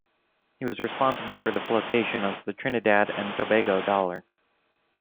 He was responsible for the flotation of the Trinidad and Tobago dollar.